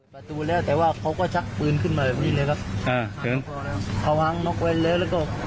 ประตูแล้วแต่ว่าเขาก็ชักปืนขึ้นมาแบบนี้เลยครับอ่าเชิญพอแล้วเขาวางนกไว้แล้วแล้วก็